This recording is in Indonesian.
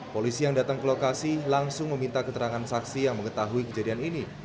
polisi yang datang ke lokasi langsung meminta keterangan saksi yang mengetahui kejadian ini